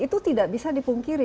itu tidak bisa dipungkiri